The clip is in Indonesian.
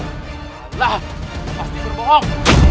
alah kau pasti berbohong